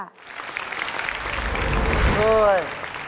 เฮ้ย